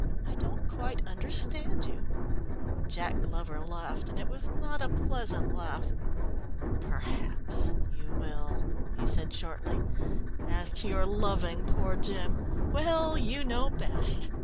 "I don't quite understand you." Jack Glover laughed, and it was not a pleasant laugh. "Perhaps you will," he said shortly. "As to your loving poor Jim well, you know best.